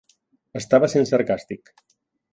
Estava sent sarcàstic.